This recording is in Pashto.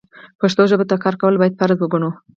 پښتو ژبې ته کار کول بايد فرض وګڼو.